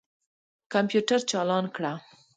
کمپیوټر چالان کړه.